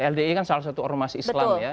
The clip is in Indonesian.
ldi kan salah satu ormas islam ya